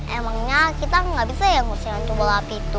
emangnya kita gak bisa ya ngusir hantu bola api itu